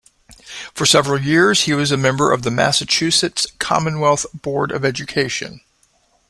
For several years he was a member of the Massachusetts Commonwealth Board of Education.